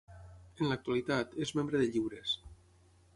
En l'actualitat, és membre de Lliures.